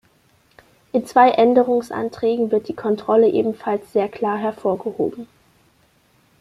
In zwei Änderungsanträgen wird die Kontrolle ebenfalls sehr klar hervorgehoben.